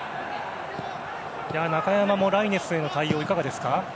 中山のライネスへの対応いかがですか。